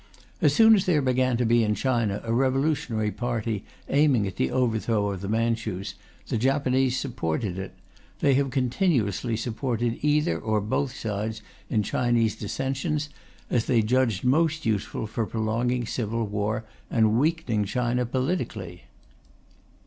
As soon as there began to be in China a revolutionary party aiming at the overthrow of the Manchus, the Japanese supported it. They have continuously supported either or both sides in Chinese dissensions, as they judged most useful for prolonging civil war and weakening China politically.